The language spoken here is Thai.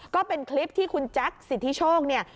ก็เป็นคลิปที่คุณแจ็คสิทธิโชคเนี่ย